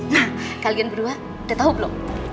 nah kalian berdua udah tau blok